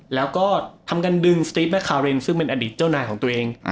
แล้วก็ทำการดึงสตรีฟแมคคารินซึ่งเป็นอดีตเจ้านายของตัวเอง